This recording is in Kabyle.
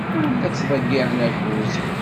Ur la ttḍeyyiɛen akud.